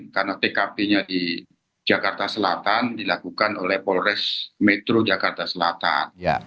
karena tkp nya di jakarta selatan dilakukan oleh polres metro jakarta selatan